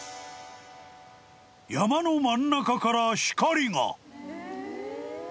［山の真ん中から光が］